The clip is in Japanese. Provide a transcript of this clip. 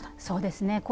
そうですね。